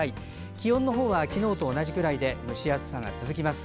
気温の方は昨日と同じくらいで蒸し暑さが続きます。